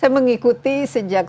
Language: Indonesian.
saya mengikuti sejak